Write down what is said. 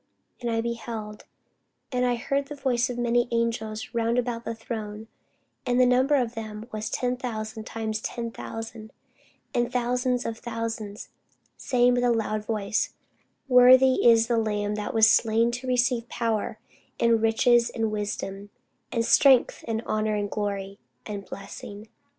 And I beheld, and I heard the voice of many angels round about the throne: and the number of them was ten thousand times ten thousand, and thousands of thousands; saying with a loud voice, Worthy is the Lamb that was slain to receive power, and riches, and wisdom, and strength, and honour, and glory, and blessing.